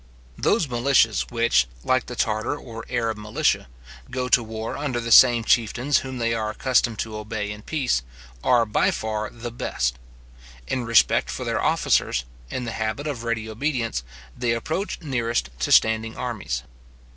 Those militias which, like the Tartar or Arab militia, go to war under the same chieftains whom they are accustomed to obey in peace, are by far the best. In respect for their officers, in the habit of ready obedience, they approach nearest to standing armies.